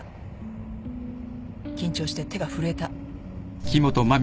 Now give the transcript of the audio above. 緊張して手が震えた。